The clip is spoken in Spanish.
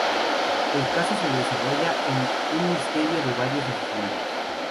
El caso se desarrolla en un misterio de varios asesinatos.